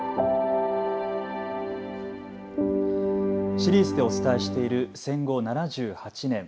シリーズでお伝えしている戦後７８年。